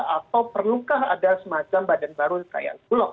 atau perlukah ada semacam badan baru kayak bulog